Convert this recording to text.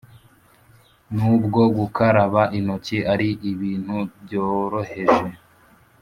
Nubwo gukaraba intoki ari ibintu byoroheje